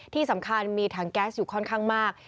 ที่สำคัญมีถังแก๊สอยู่ค่อนข้างมาก